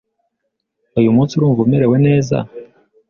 Uyu munsi, urumva umerewe neza?